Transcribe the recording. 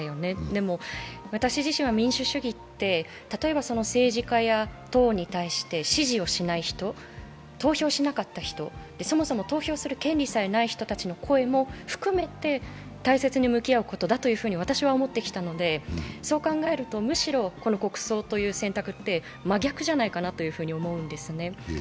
でも、私自身は民主主義って例えば政治家や党に対して支持をしない人、投票しなかった人そもそも投票する権利さえない人たちの声も大切に向き合うことだと私は思ってきたので、そう考えると、むしろ、この国葬という選択って真逆じゃないかなと思うんですね。